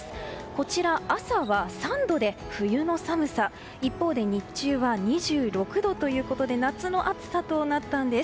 こちら、朝は３度で冬の寒さ一方、日中は２６度ということで夏の暑さとなったんです。